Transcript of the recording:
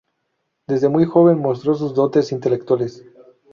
Desde muy joven mostró sus dotes intelectuales.